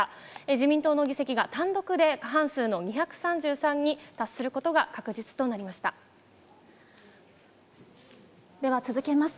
自民党の議席が単独で過半数の２３３に達することが確実となりでは続けます。